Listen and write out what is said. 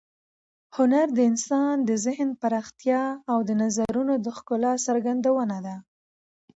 هنر د انسان د ذهن پراختیا او د نظرونو د ښکلا څرګندونه ده.